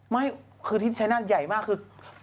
ไม่คือที่ชายนาฏใหญ่มากคือ